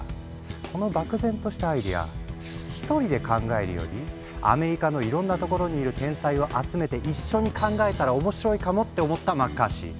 この漠然としたアイデア「一人で考えるよりアメリカのいろんな所にいる天才を集めて一緒に考えたら面白いかも！」って思ったマッカーシー。